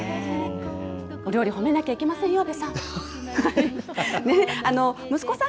お料理褒めなきゃいけませんよ、阿部さん。